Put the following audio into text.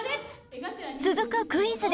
続くクイズでは。